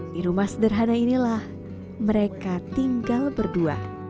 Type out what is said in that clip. di rumah sederhana inilah mereka tinggal berdua